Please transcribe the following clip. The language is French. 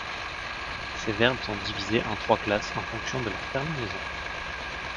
Ces verbes sont divisés en trois classes en fonction de leur terminaison.